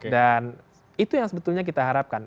dan itu yang sebetulnya kita harapkan